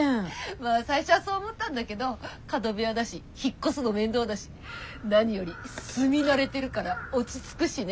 まぁ最初はそう思ったんだけど角部屋だし引っ越すの面倒だし何より住み慣れてるから落ち着くしね。